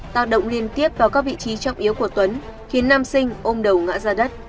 tạo động liên tiếp vào các vị trí trọng yếu của tuấn khiến nam sinh ôm đầu ngã ra đất